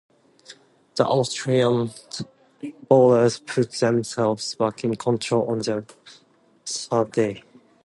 The Australian bowlers put themselves back in control on the third day.